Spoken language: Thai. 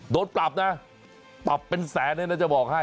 โดนปรับนะปรับเป็นแสนเลยนะจะบอกให้